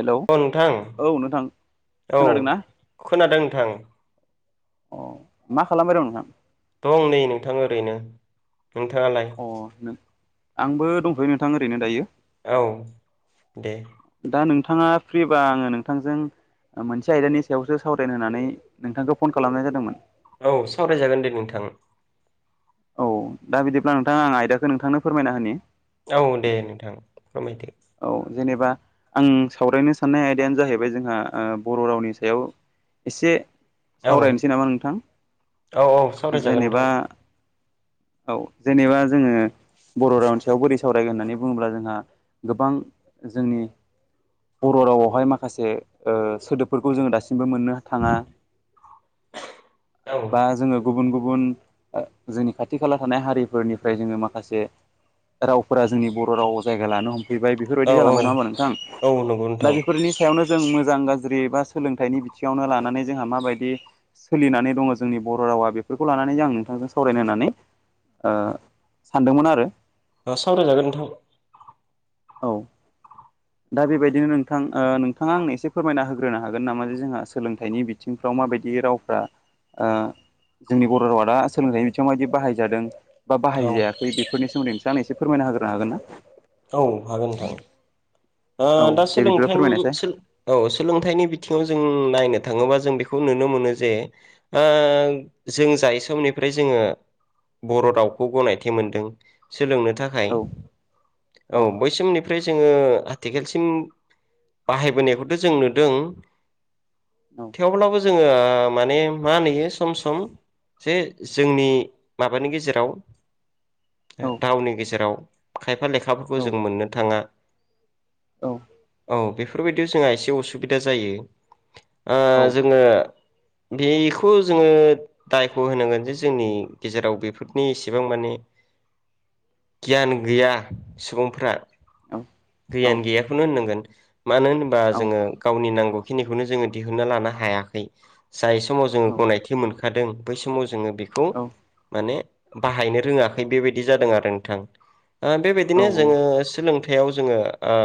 Hello, अ नोंथां औ नोंथां, औ खोनादों ना? खोनादों नोंथां अ, मा खालामबाय दं नोंथां? दं नै नोंथां ओरैनो। नोंथांङालाय? अ नों आंबो दंथ'यो नोंथां ओरैनो दायो। औ, दे। दा नोंथाङा फ्रिबा आङो नोंथांजों मोनसे आयदानि सायावसो सावरायनो होननानै नोंथांखौ फन खालामनाय जादोंमोन। औ, सावरायजागोन दे नोंथां। औ, दा बिदिब्ला नोंथां आं आयदाखौ नोंथांनो फोरमायना होनि। औ दे नोंथां फोरमायदो औ, जेनेबा आं सावरायनो साननाय आयदायानो जाहैबाय जोंहा ओ बर' रावनि सायाव एसे औ सावरायनोसै नामा नोंथां। औ औ सावरायजागोन जेनेबा नोंथां औ जेनेबा जोङो बर' रावनि सयाव बोरै सावरायगोन होननानै बुङोब्ला जोंहा गोबां जोंनि बर' रावावहाय माखासे ओ सोदोबफोरखौ जोङो दासिम बो मोन्नो थाङा, औ बा जोङो गुबुन गुबुन गुबुन जोंनि खाथि खाला थानाय हारिफोरनिफ्राय जोङो माखासे रावफोरा जोंनि बर' रावाव जायगा लानो हम फैबाय, बेफोरबायदि औ औ जालांबाय नङा होमबा नोंथां। औ नंगौ दा नोंथां बेफोरनि सायावनो जों मोजां गाज्रि एबा सोलोंथाइनि बिथिङावनो लानानै जोंहा माबायदि सोलिनानै दङ जोंनि बर' रावा बेफोरखौ लानानै आं नोंथांजों सावरायनो होननानै ओ सानदोंमोन आरो। ओ सावरायजागोन नोंथां। औ। दा बेबायदिनो नोंथां ओ नोंथाङा आंनो एसे फोरमायना होग्रोनो हागोन नामा जे जोंहा सोलोंथाइनि बिथिंफ्राव माबायदि रावफ्रा ओ जोंनि बर' रावा दा सोलोंथाइनि बिथिंङाव माबायदि बाहायजादों? बा औ बाहायजायाखै बेफोरनि सोमोन्दै नोंसो आंनो एसे फोरमायना होग्रोनो हागोन ना? औ हागोन नोंथां। ओ औ दा दे बिदिब्ला सोलोंथाय फोरमायनायसाय औ सोलोंथाइनि बिथिङाव जों नायनो थाङोबा जों बेखौ नुनो मोनो जे, ओ जों जाय समनिफ्राय जोङो बर' रावखौ गनायथि मोनदों। सोलोंनो थाखाय, औ औ बै समनिफ्राय जोङो सिम बाहायबोनायखौथ' जों नुदों औ थेवब्लाबो जोङो माने मा नुयो सम सम जे जोंनि माबानि गेजेराव औ रावनि गेजेराव खायफा औ लेखाफोरखौ जों मोननो थाङा। औ औ बेफोरबायदियाव जोंहा एसे असुबिदा जायो ओ जोङो बेखौ जोङो दायखौ' होनांगोन जे जोंनि गेजेराव बेफोरनि इसेबां माने गियान गैया सुबुंफ्रा औ औ गैयानो ओननांगोन मानो होनोबा औ जोङो गावनि नांगौखिनिखौनो जोङो दिहुनना लानो हायाखै जाय समाव जोङो औ गनायथि मोनखादों बै समाव जोङो बेखौ औ माने बाहायनो रोङाखै बेबायदि जादों आरो नोंथां ओ बेबायदिनो जोङो सोलों थायाव जोङो ओ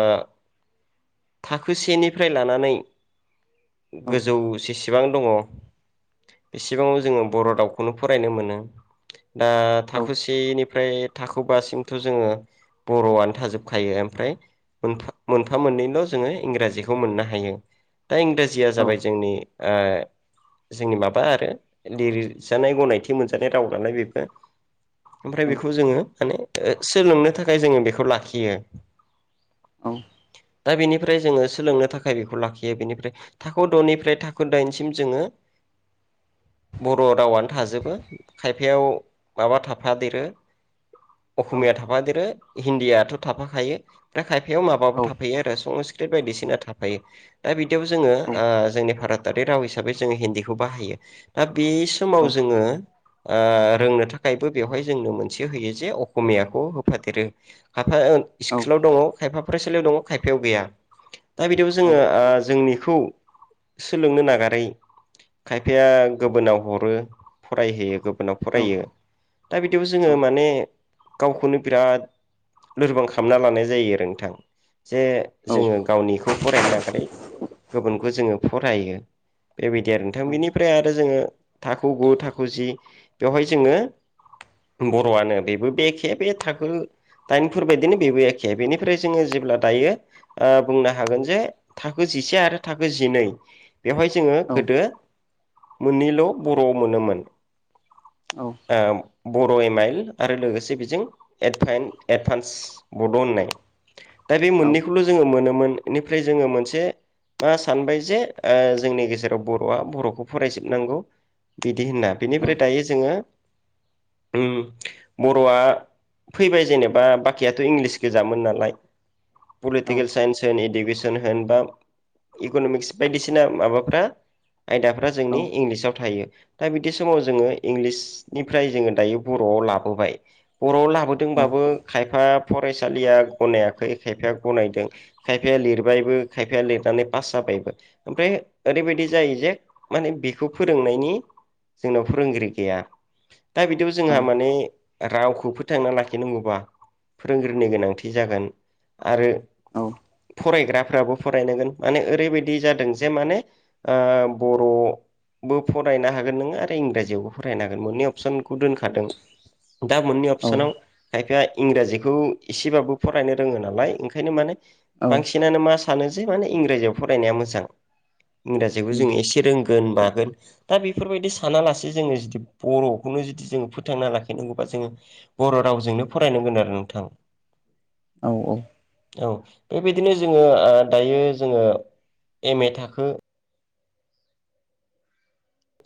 थाखो सेनिफ्राय लानानै गोजौ जे सेबां दङ बेसेबाङाव जोङो बर' दावउखौनो फरायनो मोनो दा थाखोसेनि फ्राय थाखो बासिमथ' जोङो बर'आनो थाजोबखायो ओमफ्राय मोनफा-मोनफा मोननैल' जोङो इंराजिखौ मोननो हायो दा इंराजिया जाबाय जोंनि ओ जोंनि माबा आरो लिरजानाय गनायथि मोनजानाय राव नालाय बेबो ओमफ्राय बेखौ जोङो माने ओ सोलोंनो थाखाय जोङो बेखौ लाखियो औ दा बेनिफ्राय जोङो सोलोंनो थाखाय बेखौ लाखियो बेनिफ्राय थाखो द'निफ्राय थाखो दाइनसिम जोङो [inaudible] बर' रावनो थाजोबो खायफायाव माबा थाफा देरो अख'मिया थाफादेरो हिन्दीयाथ' थाफाखायो। खायफायाव माबाबो थाफैायो आरो संस्कृत बायदिसिना थाफायो दा बिदियाव जोङो ओ जोंनि भारत आरि राव हिसाबै जोङो हिन्दीखौ बाहायो दा बे समाव जोङो ओ रोंनो थाखायबो बेवहाय जोंनो मोनसे होयो जे अखमियाखौ होफादेरो [unintelligible] खायफा फरायसालियाव दं खायफायाव गैया दा बिदियाव जोङो ओ जोंनि खौ सोलोंनो नागारै खायफाया गोबोनाव हरो फरायहोयो गोबोनाव फरायो। दा बिदिबो जोङो माने गावखौनो बिराद लोरबां खामना लानाय जायो आरो नोंथां जे जोङो गावनि खौ फरायनो नागारै गोबोनखौ जोङो फरायो बेबायदि आरो थां बिनिफ्राय आरो जोङो थाखो गु थाखो जि बेवहाय जोङो बर'आनो बेबो बेखे बे थाखो दाइनफोरबायदिनो बेबो ए खे बेनिफ्राय जोङो जेब्ला दायो ओ बुंनो हागोन जे थाखो जिसे आरो थाखो जिनै बेवहाय जोङो गोदो मोननैल' बर' मोनोमोन ओम बर' एमाइल आरो लोगोसे बेजों एदभेन्द-एडभान्स बड' होननाय दा बे मोननैखौल' जोङो मोनोमोन एनिफ्राय जोङो मोनसे मा सानबाय जे ओ जोंनि गेजेराव बर'आ बर'खौ फरायजोबनांगौ बिदि होनना बिनिफ्राय दायो जोङो उम बर'आ फैबाय जेनेबा बाखिया थो इंलिस गोजामोन नालाय औ पलिटिकेल साइन्स होन इडुकेसन होन बा इक'न'मिक्स बायदिसिना माबाफ्रा आयदाफ्रा जोंनि औ औ इंलिसाव थायो दा बिदि समाव औ जोङो इंलिसनिफ्राय जोङो दायो बर' आव लाबोबाय बर'आव लाबोदोंबाबो खायफा फरायसालिया गनायाखै खायफाया गनायदों खायफाया लिरबायबो खायफाया लिरनानै पास जाबायबो ओमफ्राय ओरैबायदि जायो जे माने बेखौ फोरोंनायनि जोंनाव फोरोंगिरि गैया दा बिदियाव जोंहा औ माने रावखौ फोथांना लाखिनांगौबा फोरोंगिरिनि गोनांथि जागोन आरो औ फरायग्राफ्राबो फरायनांगोन माने ओरैबायदि जादों जे माने ओ बर' बो फरायनो हागोन नोङो आरो इंराजियावबो फरायनो हागोन मोननै अपसनखौ दोनखादों दा मोननै अपसनाव खायफाया इंराजिखौ एसेबाबो फरायनो रोङो नालाय ओंखायनो माने औ बांसिनानो मा सानो जे माने इंराजियाव फरायनाया मोजां इंराजिखौ जों उम एसे रोंगो- गोन मागोन दा बेफोरबायदि सानालासे जोङो जुदि बर'खौनो जुदि जों फोथांना लाखिनांगौबा- जोङो बर' रावजोंनो फरायनांगोन आरो नोंथां। औ-औ। औ बेबायदिनो जोङो ओ दायो जोङो एम ए थाखो-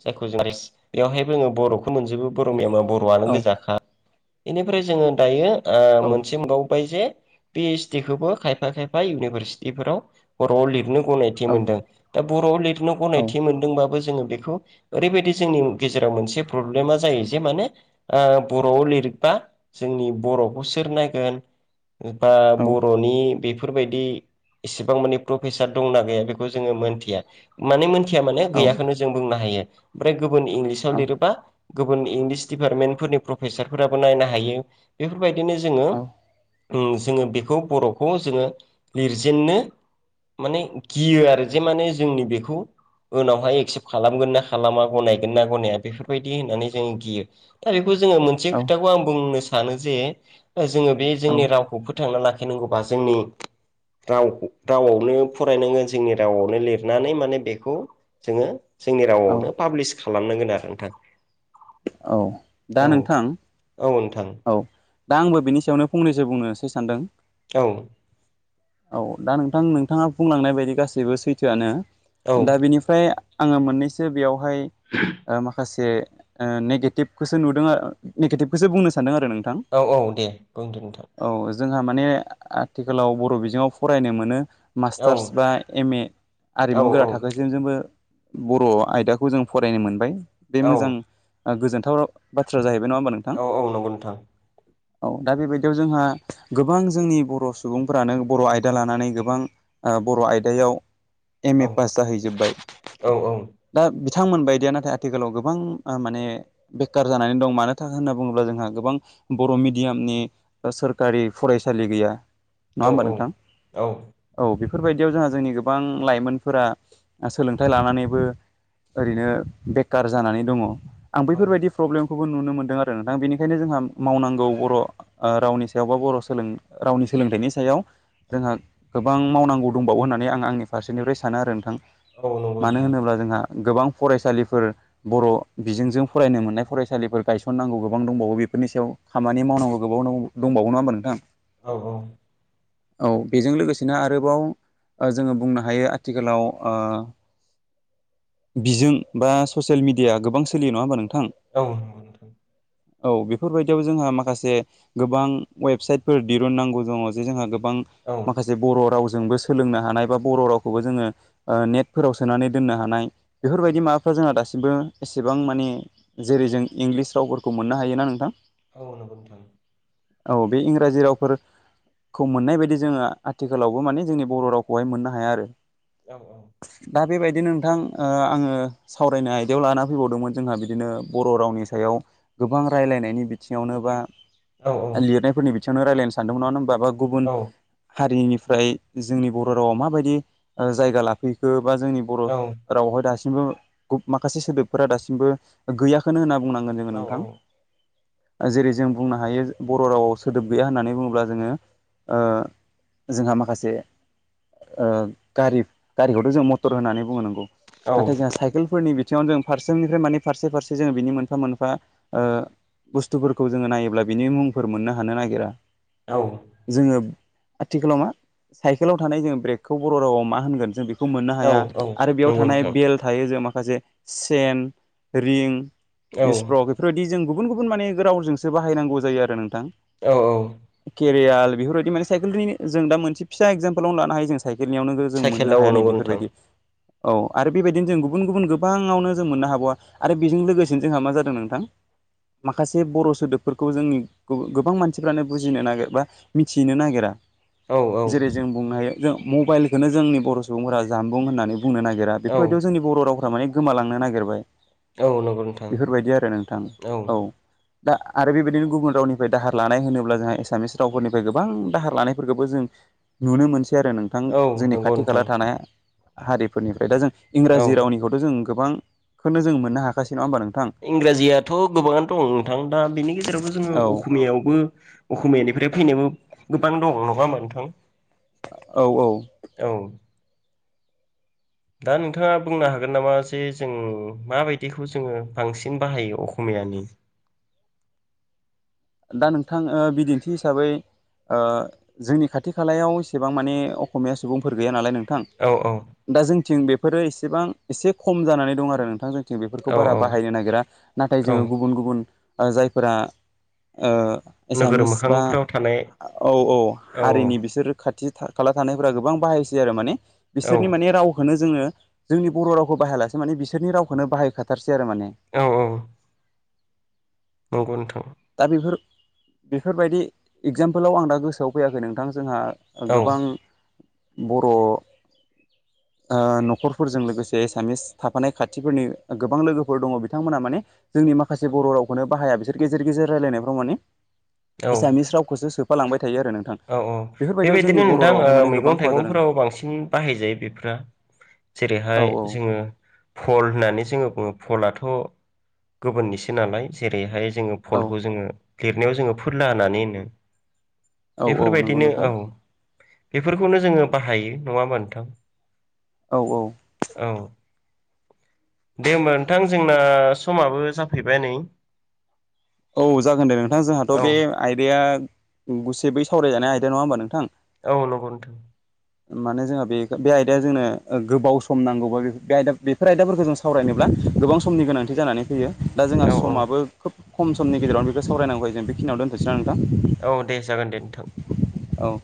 जायखौ जों बेवहायबो जोङो बर'खौ मोनजोबो बर' औ मिडियामाव बर'आनो औ गोजाखा। बेनिफ्राय जोङो दायो ओ औ मोनसे मोनबावबाय जे- पि एस डि खौबो खायफा-खायफा इउनिभारसिटिफोराव बर'आव लिरनो- औ गनायथि मोनदों दा बर'आव लिरनो गनायथि मोनदोंबाबो जोङो बेखौ- ओरैबायदि जोंनि गेजेराव मोनसे प्रब्लेमा जायो जे माने ओ बर'आव लिरबा जोंनि बर'खौ सोर नायगोन ओ बा बर'नि बेफोरबायदि- इसेबां माने प्रफेसार दंना गैया बेखौ जोङो मोनथिया माने मोनथिया माने गैयाखौनो जों बुंनो हा- ओमफ्राय गुबुन इंलिसाव लिरोबा गुबुन इंलिस दिडिपार्टमेन्टफोरनि प्रफेसारफोराबो नायनो हायो। बेफोरबायदिनो जोङो- ओं जोङो बेखौ बर'खौ जोङो लिरजेननो- माने गियो आरो जे माने जोंनि बेखौ उनावहाय एक्सेप्ट खालामगोन ना खा- खालामा गनायगोन ना गनाया बेफोरबायदि होननानै जों गियो दा बेखौ जोङो मोनसे खोथाखौ आं बुंनो सानो- सानो जे ओ जोङो बे जोंनि रावखौ फोथांना लाखिनांगौबा जोंनि- राव उ रावआवनो फरायनांगोन जोंनि रावआवनो लिर- नानै माने बेखौ जोङो जोंनि औ रावआव- पुलिस खालामनांगोन आरो नोंथां। औ दा नोंथां- थां। औ दा आंबो बिनि सायावनो फंनैसो बुंनोसै सानदों- औ। औ दा नोंथां नोंथाङा बुंलांनाय बायदि गासैबो सैथोआनो। दा औ बेनिफ्राय आङो मोननैसो बेयावहाय ओ माखासे- जे ओ नेगेटिभखौसो नुदों आ नेगेटिभखौसो बुंनो सानदों आं- औ-औ दे बुंदो नोंथां- औ जोंहा माने आ आथिखालाव बर' बिजोङाव फरायनो मोनो। औ मास्टार्स बा एम ए आरिमु औ गोरा थाखोजों जोंबो- बर' आयदाखौ जों फरायनो मोनबाय बे औ मोजां ओ गोजोनथाव बाथ्रा जाहैबाय। बे नङा होनबा नोंथां- था। औ दा बेबायदियाव जोंहा गोबां जोंनि बर' सुबुंफोरानो बर' आयदा लानानै गोबां- ओ बर' आयदायाव एम ए औ पास जाहैजोब्बाय औ औ दा बि- बिथांमोनबायदिया नाथाय आथिखालाव गोबां ओ माने बेखार जानानै दं मानो थाखाय होनना बुङोब्ला जों- ओ गोबां बर' मिडियामनि ओ सोरखारि फरायसालि गैया। औ नङा होमबा नोंथां औ बे- बेफोरबायदियाव जोंहा जोंनि गोबां लाइमोनफोरा सोलोंथाइ लानानैबो- ओरैनो बेखार जानानै दङ' आं औ बैफोरबायदि प्रब्लेमखौबो नुनो मोनदों आरो नोंथां बेनि- खायनो जोंहा मावनांगौ बर' ओ रावनि सायाव बा बर' सोलों रावनि सोलोंथाइनि सायाव जोंहा गोबां मावनांगौ दंबावो होननानै आं आंनि फारसेनिफ्राय सानो आरो नोंथां। औ नंगौ मानो नोंथां होनोब्ला जोंहा गोबां फरायसालिफोर बर' बिजोंजों फरायनो मोननाय फरायसालिफोर गायसननांगौ गोबां दंबावो। बेफोरनि सायाव खामानि मावनांगौ गोबाव दंबाव-दंबावो नङा होनबा नोंथां। औ औ। औ बेजों लोगोसेनो आरोबाव ओ जोङो बुंनो हायो आथिखालाव ओ बिजों बा ससियेल मिडिया गोबां सोलियो नङा होमबा नों औ औ बेफोरबायदियाव जोंहा माखासे गोबां वेबसाइटफोर दिरुननांगौ दङ जे जोंहा बां औ माखासे बर' राव जोंबो सोलोंनो हानाय बा बर' रावखौबो जोङो ओ नेटफोराव सोनानै दोननो हानाय औ बेफोरबायदि माबाफ्रा जोंहा दासिमबो एसेबां मानि जेरै जों इंलिस रावफोरखौ मोननो हायो ना नोंथां औ नंगौ नोंथां औ बे इंराजि रावफोर खौ मोननाय बायदि जोङो आथिखालावबो माने जोंनि बर' रावखौहाय मोननो हाया आरो औ औ दा बेबायदिनो नोंथां ओ आङो सावरायनो आयदायाव लाना फैबावदोंमोन जोंहा बिदिनो बर' रावनि सायाव गोबां रायलायनायनि बिथिङावनो बा औ लिरनायफोरनि बिथिङावनो रायलायनो सानदोंमोन नङा होन बाबा गुबुन हारिनिफ्राय जोंनि बर' रावआव माबायदि जायगा लाफैखो बा जोंनि बर' रावआवहाय दासिमबो माखासे सोदोबफोरा दासिमबो गैयाखौनो होनना बुंनां जोङो नोंथां जेरै जों बुंनो हायो बर' रावाव सोदोब गैया होननानै बुङोब्ला जोङो ओ जोंहा माखासे ओ गारि गारिखौथ' जों मटर होननानै बुङो नांगौ नाथाय औ जोंहा साइकेलफोरनि बिथिङावनो जों फारसेनिफ्राय माने फारसे फारसे जोङो बिनि मोनफा मोनफा ओ बुस्थुफोरखौ जोङो नायोब्ला बिनि मुंफोर मोननो हानो नागिरा औ जोङो आथिखालाव मा साइकेलाव थानाय जोंङो ब्रेकखौ बर' रावाव मा होनगोन जों बे खौ मोननो हाया औ औ नंगौ आरो बेयाव थानाय नोंथां बेल थायो जों माखासे सेन रिं औ इसप्र'ग बेफोरबायदि जों गुबुन गुबुन माने रावजोंसो बाहायनांगौ जायो आरो नों औ औ रियाल बेफोर बायदि माने साइकेलनिनो जों दा मोनसे फिसा एकजामफोलावनो लानो हायो जों साइकेलनियावनो जों साइकेल मोननो औ हाया नै नंगौ नोंथां बेफोरबायदि औ आरो बेबायदिनो जों गुबुन गुबुन गोबाङावनो जों मोननो हाबावा आरो बेजों लोगोसेनो जोंहा मा जादों नोंथां [inaudible] माखासे बर' सोदोबफोरखौ जोंनि गोबां मानसिफ्रानो बुजिनो नागिर बा मिथिनो नागिरा औ औ जेरै जों बुंनो हायो जों मबाइलखौनो जोंनि बर' सुबुंफोरा जानबुं होननानै बुंनो नागिरा औ बेफोर बायदियाव जोंनि बर' रावफ्रा माने गोमालांनो नागिरबाय औ नंगौ नोंथां थां औ दा आरो बेबायदिनो गुबुन रावनिफ्राय दाहार लानाय होनोब्ला जोंहा एसामिस रावफोरनिफ्राय गोबां दाहार लानायफोरखौबो जों नुनो मोनसै आरो नोंथां औ जोंनि नंगौ खाथि खाला नोंथां थानाय हारिफोरनिफ्राय दा जों औ इंराजि रावनिखौथ' जों गोबांखौनो जों मोननो हाखासै नङा होमबा नोंथां थ' गोबांनो दं नोंथां दा बेनि गेजेरावबो जोङो औ असमियावबो अस'मियानिफ्राय फै [unintelligible] गोबां दङ नङा नोंथां औ औ औ दा नोंथाङा बुंनो हागोन नामा जे जों माबायदिखौ जोङो बांसिन बाहायो अकमिया बियानि दा नोंथां ओ बिदिन्थि हिसाबै ओ जोंनि खाथि खालायाव एसेबां माने असमिया सुबुंफोर गैया नालाय नों थां औ औ दा जोंथिं बेफोरो एसेबां एसे खम जानानै दं आरो नोंथां जों बेफोरखौ औ बारा औ बाहायनो नागिरा नाथाय औ जोङो गुबुन गुबुन ओ जायफोरा ओ नोगोर एसामिस बा मोखांफ्राव थानाय औ औ हारिनि बिसोरो खाथि खाला थानायफोरा गोबां बाहायसै आरो माने औ बिसोरनि माने रावखौनो जोङो जोंनि बर' रावखौ बाहायालासे माने बिसोरनि रावखौनो बाहायखाथारसै सै आरो माने औ औ नंगौ नोंथां दा बेफोर बेफोरबायदि एगजामपोलाव आं दा गोसोआव फैयाखै नोंथां जोंहा औ गोबां बर' [inaudible] ओ न'खरफोरजों लोगोसे एसामिस थाफानाय खाथिफोरनि गोबां लोगोफोर दङ बिथांमोनहा माने जों नि माखासे बर' रावखौनो बाहाया बिसोर गेजेर गेजेर रायजलायनायफ्राव माने औ एसामिस रावखौसो सोफालांबाय थायो आरो नोंथां औ औ बेफोरबायदियाव जोंनि बेबायदिनो बर' नोंथां ओ रावावहाय माने गोबां मैगं खहा जादों थाइगंफोराव बांसिन बाहायजायो बेफ्रा औ जेरैहाय जोङो फल होननानै जोङो बुङो फलाथ' गुबुननिसो नालाय जेरैहाय जोङो औ फलखौ जोङो लिरनायाव जोङो फोरला होनानै होनो औ औ नंगौ बेफोरबायदिनो नोंथां औ बेफोरखौनो जोङो बाहायो नङा होमबा नोंथां औ औ औ दे होमबा नोंथां जोंना समाबो जाफैबाय नै औ जागोन दे नोंथां जोंहाथ' औ बे आयदाया गुसेबै सावरायजानाय आयदा नङा होमबा नोंथां औ नंगौ नोथों माने जोंहा बे आयदाया जोंनो गोबाव सम नांगौबा आयदा बेफोर आयदाफोरखौ जों सावरायनोब्ला गोबां समनि गोनांथि जानानै फैयो दा जोंहा औ औ समाबो खोब खम समनि गेजेरावनो बेखौ सावरायनांगौखाय जों बेखिनियावनो दोनथसै ना नों औ दे जागोन दे नोंथां औ